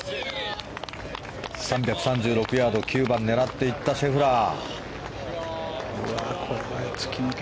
３３６ヤード、９番を狙っていったシェフラー。